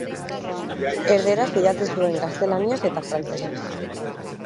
Erdaraz idatzi zuen: gaztelaniaz eta frantsesez.